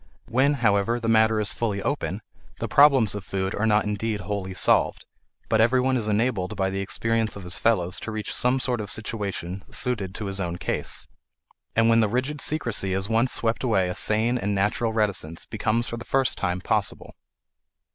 When, however, the matter is fully open, the problems of food are not indeed wholly solved, but everyone is enabled by the experience of his fellows to reach some sort of situation suited to his own case. And when the rigid secrecy is once swept away a sane and natural reticence becomes for the first time possible.